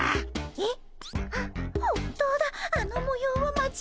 えっ？